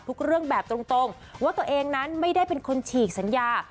เรื่องแบบตรงว่าตัวเองนั้นไม่ได้เป็นคนฉีกสัญญา